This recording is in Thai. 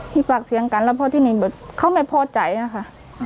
มีปากเสียงกันแล้วพอที่นี่เขาไม่พอใจนะคะ